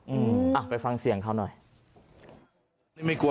อืมไปฟังเสียงเขาน่ะ